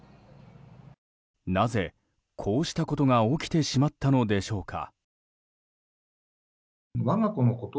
なぜ、こうしたことが起きてしまったのでしょうか。